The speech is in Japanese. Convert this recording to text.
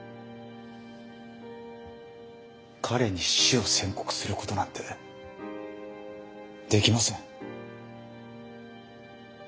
彼に死を宣告することなんてできません。